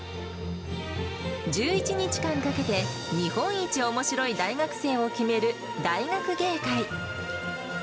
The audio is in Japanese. １１日間かけて日本一おもしろい大学生を決める大学芸会。